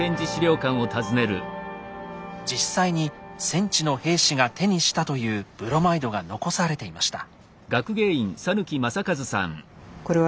実際に戦地の兵士が手にしたというブロマイドが残されていました。